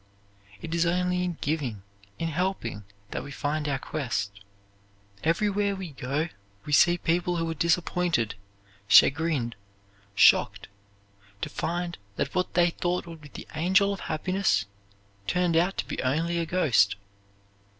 It is only in giving, in helping, that we find our quest. Everywhere we go we see people who are disappointed, chagrined, shocked, to find that what they thought would be the angel of happiness turned out to be only a ghost.